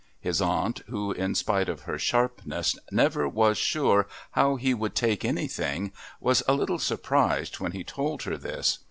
His aunt, who, in spite of her sharpness, never was sure how he would take anything, was a little surprised when he told her this.